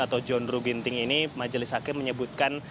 atau john ruh ginting ini majelis hakim menyebutkan